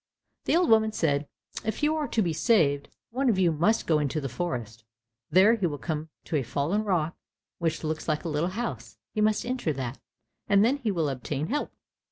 The old woman said, "If you are to be saved, one of you must go into the forest, there he will come to a fallen rock which looks like a little house, he must enter that, and then he will obtain help."